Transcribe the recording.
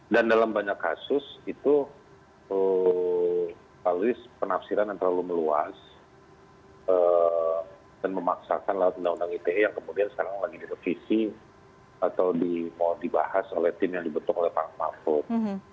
dan dalam banyak kasus itu pak luis penafsiran yang terlalu meluas dan memaksakan lewat undang undang ite yang kemudian sekarang lagi direvisi atau mau dibahas oleh tim yang dibentuk oleh pak mahfud